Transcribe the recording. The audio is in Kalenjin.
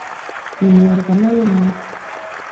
Ki nyor konai inee